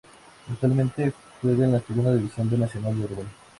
Actualmente juega en la Segunda División B Nacional de Uruguay.